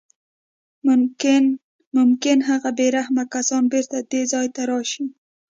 ممکن هغه بې رحمه کسان بېرته دې ځای ته راشي